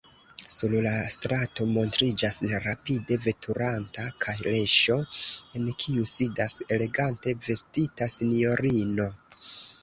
Sur la strato montriĝas rapide veturanta kaleŝo, en kiu sidas elegante vestita sinjorino.